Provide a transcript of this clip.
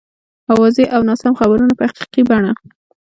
اوازې او ناسم خبرونه په حقیقي بڼه.